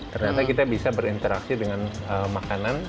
ternyata kita bisa berinteraksi dengan makanan